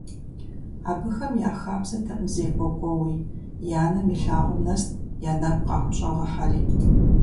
Абыхэм я хабзэтэкъым зекӀуэ кӀуэуи, я нэм илъагъум нэст я нэгу къахущӀэгъыхьэри.